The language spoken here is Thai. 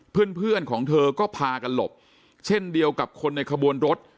เพื่อนเพื่อนของเธอก็พากันหลบเช่นเดียวกับคนในขบวนรถ